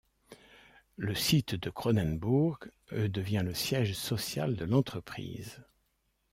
Le site de Cronenbourg devient le siège social de l'entreprise.